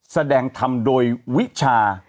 แสดงทำโดยวิชา